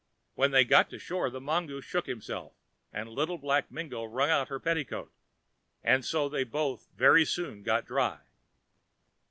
When they got to shore the mongoose shook himself, and Little Black Mingo wrung out her petticoat, and so they both very soon got dry.